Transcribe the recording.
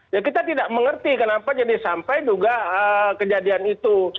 ya kita tidak mengerti kenapa jadi sampai juga kejadian itu